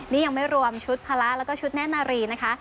นี่ยังไม่รวมชุดภาระแล้วก็ชุดแน่นนารีนะคะ